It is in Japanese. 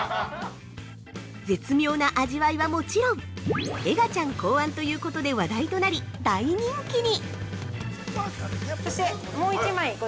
◆絶妙な味わいはもちろん、エガちゃん考案ということで話題となり、大人気に！